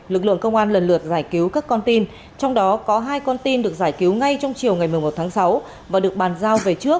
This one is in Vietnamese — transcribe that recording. lực lượng công an lần lượt giải cứu các con tin trong đó có hai con tin được giải cứu ngay trong chiều ngày một mươi một tháng sáu và được bàn giao về trước